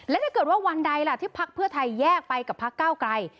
และถ้าเกิดว่าวันใดล่ะที่พักเพื่อไทยแยกไปกับพักเก้าไกล